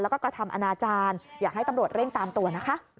แล้วก็กระทำอนาจารย์อยากให้ตำรวจเร่งตามตัวนะคะ